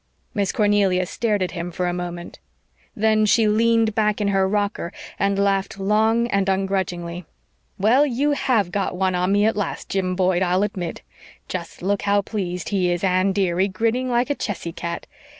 Miss Cornelia stared at him for a moment. Then she leaned back in her rocker and laughed long and ungrudgingly. "Well, you HAVE got one on me at last, Jim Boyd, I'll admit. Just look how pleased he is, Anne, dearie, grinning like a Chessy cat.